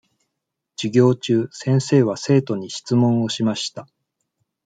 授業中、先生は生徒に質問をしました。